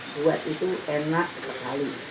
buat itu enak sekali